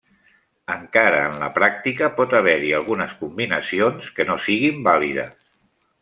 Encara en la pràctica, pot haver-hi algunes combinacions que no siguin vàlides.